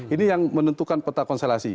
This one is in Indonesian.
ini yang menentukan peta konstelasi